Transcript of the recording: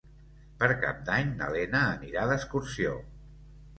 Per Cap d'Any na Lena anirà d'excursió.